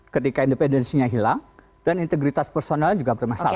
ketika independensinya hilang dan integritas personalnya juga bermasalah